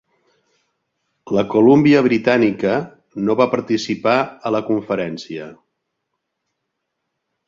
La Colúmbia Britànica no va participar a la conferència.